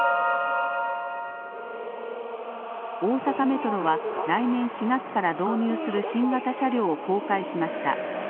大阪メトロは来年４月から導入する新型車両を公開しました。